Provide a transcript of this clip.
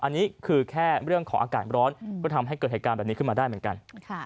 อันนี้คือแค่เรื่องของอากาศร้อนก็ทำให้เกิดเหตุการณ์แบบนี้ขึ้นมาได้เหมือนกัน